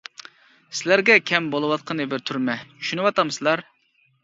سىلەرگە كەم بولۇۋاتقىنى بىر تۈرمە، چۈشىنىۋاتامسىلەر!